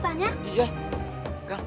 suara beduk juga calon